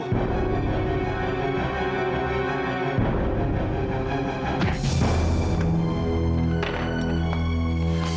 karena dia tuh anak lo